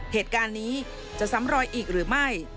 เหตุการณ์นี้จะซ้ำรอยอีกหรือไม่